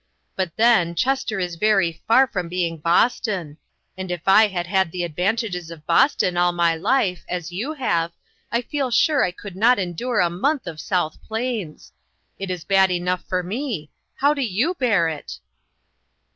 But then, Chester is very far from A "FANATIC. 155 being Boston, and if I had had the advan tages of Boston all my life, as you have, I feel sure I could not endure a month of South Plains. It is bad enough for me. How do you bear it?"